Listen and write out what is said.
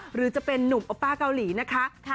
หรือจะเป็นนุ่มโอป้าเกาหลีนะคะ